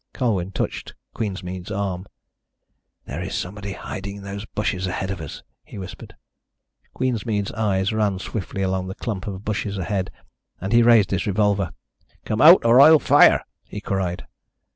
Colwyn touched Queensmead's arm. "There is somebody hiding in those bushes ahead of us," he whispered. Queensmead's eyes ran swiftly along the clump of bushes ahead, and he raised his revolver. "Come out, or I'll fire!" he cried.